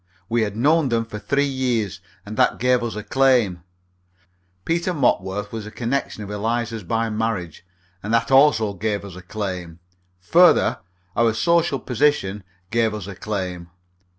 We had known them for three years, and that gave us a claim; Peter Mopworth was a connection of Eliza's by marriage, and that also gave us a claim; further, our social position gave us a claim.